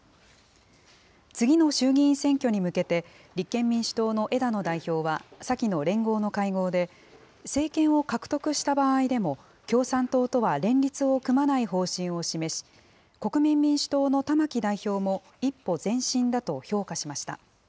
次の衆議院選挙に向けて、立憲民主党の枝野代表は先の連合の会合で、政権を獲得した場合でも、共産党とは連立を組まない方針を示し、国民民主党の玉木代表も一歩前進だと評価しました。